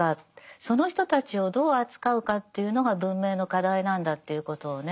その人たちをどう扱うかというのが文明の課題なんだということをね